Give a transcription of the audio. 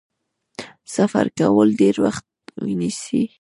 سفر کول ډیر وخت نیسي.